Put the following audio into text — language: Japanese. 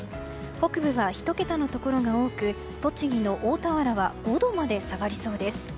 北部は１桁のところが多く栃木の大田原は５度まで下がりそうです。